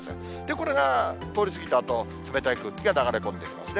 これが通り過ぎたあと、冷たい空気が流れ込んできますね。